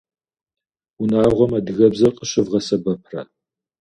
Унагъуэм адыгэбзэр къыщывгъэсэбэпрэ?